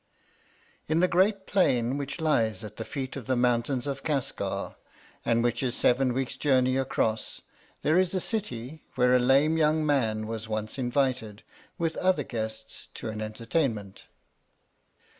Ill the great phiiii which lies at the feet of the mountains of Cusgar, and which is seven weeks' journey across, there is a city where a lame young man was once invited, with other guests, to an entertainment.